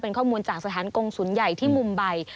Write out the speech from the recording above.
เป็นข้อมูลจากสถานกงศูนย์ใหญ่ที่มุมใบ